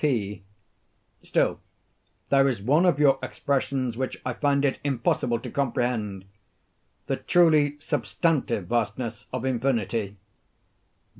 P. Still, there is one of your expressions which I find it impossible to comprehend—"the truly substantive vastness of infinity."